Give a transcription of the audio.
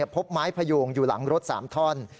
พบไม้พยูงอยู่หลังรถ๓ท่อน